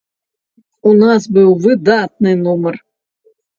У нас быў выдатны нумар.